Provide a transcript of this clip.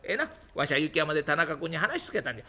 わしは雪山で田中君に話し続けたんじゃ」。